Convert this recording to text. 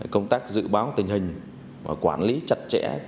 công tác dự báo tình hình và quản lý chặt chẽ